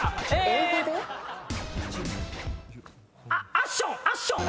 アッションアッション。